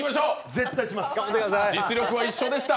実力は一緒でした。